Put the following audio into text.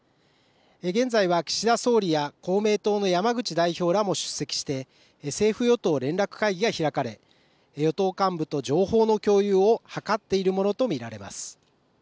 現在は岸田総理や公明党の山口代表らも出席して政府与党連絡会が開かれ与党幹部と情報の共有を図っているものと見られます。